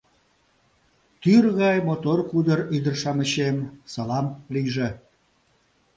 Тӱр гай мотор-кудыр ӱдыр-шамычем, салам лийже.